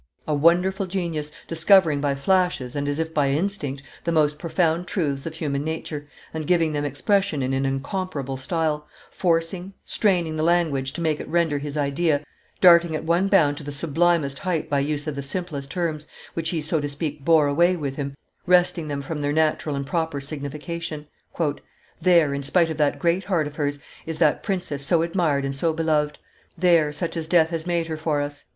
A wonderful genius, discovering by flashes, and as if by instinct, the most profound truths of human nature, and giving them expression in an incomparable style, forcing, straining the language to make it render his idea, darting at one bound to the sublimest height by use of the simplest terms, which he, so to speak, bore away with him, wresting them from their natural and proper signification. "There, in spite of that great heart of hers, is that princess so admired and so beloved; there, such as Death has made her for us!"